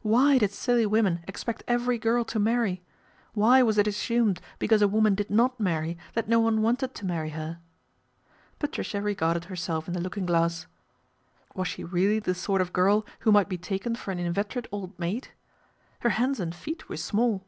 Why did silly women expect every girl to marry ? Why was it assumed because a woman did not marry that no one wanted to marry her ? Patricia regarded herself in the looking glass. MADNESS OF LORD PETER BOWEN 53 Was she really the sort of girl who might be taken for an inveterate old maid ? Her hands and feet were small.